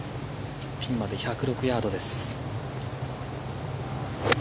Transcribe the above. ピンまで１０６ヤードです。